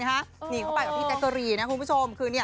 หนีเข้าไปกับพี่แจ๊กเกอรีนนะคุณผู้ชม